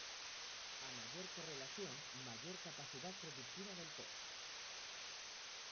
A mayor correlación, mayor capacidad predictiva del test.